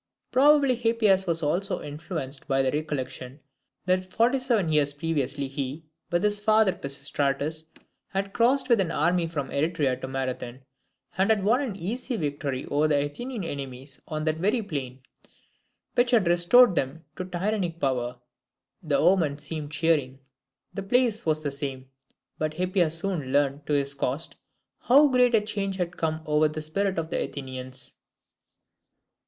Probably Hippias was also influenced by the recollection, that forty seven years previously he, with his father Pisistratus, had crossed with an army from Eretria to Marathon, and had won an easy victory over their Athenian enemies on that very plain, which had restored them to tyrannic power. The omen seemed cheering. The place was the same; but Hippias soon learned to his cost how great a change had come over the spirit of the Athenians.